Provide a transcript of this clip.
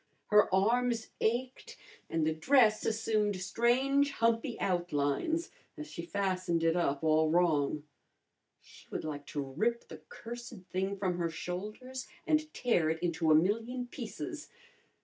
Her arms ached, and the dress assumed strange humpy outlines as she fastened it up all wrong. She would like to rip the cursed thing from her shoulders and tear it into a million pieces!